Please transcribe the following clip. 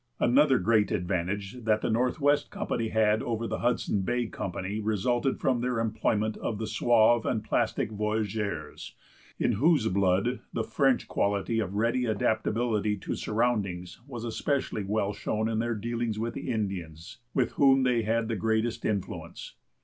Another great advantage that the Northwest Company had over the Hudson Bay Company resulted from their employment of the suave and plastic voyageurs, in whose blood the French quality of ready adaptability to surroundings was especially well shown in their dealings with the Indians, with whom they had the greatest influence.